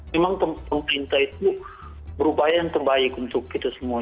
memang pemerintah itu berupaya yang terbaik untuk kita semua